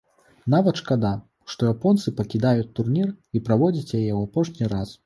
Нават шкада, што японцы пакідаюць турнір і праводзяць яе ў апошні раз.